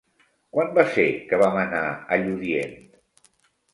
Quan va ser que vam anar a Lludient?